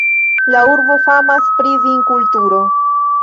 La urbo famas pri vinkulturo.